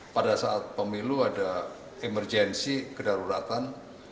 pada saat pemilu ada emergensi kedaruratan